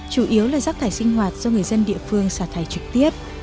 chủ yếu là rác thải sinh hoạt do người dân địa phương xả thải trực tiếp